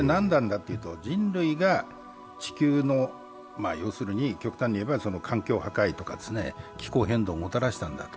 人類が地球の極端にいえば環境破壊とか気候変動をもたらしたのだと。